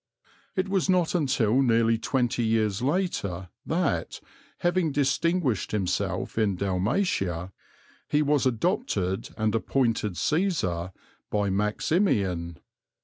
It was not until nearly twenty years later that, having distinguished himself in Dalmatia, he was adopted and appointed Cæsar by Maximian.